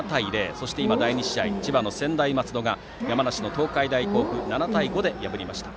そして第２試合は千葉の専大松戸が山梨の東海大甲府を７対５で破りました。